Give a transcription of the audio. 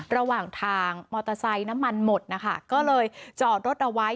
ระหว่างทางมอเตอร์ไซค์น้ำมันหมดนะคะก็เลยจอดรถเอาไว้